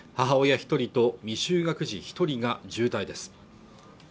一人と未就学児一人が重体です